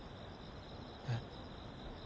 えっ？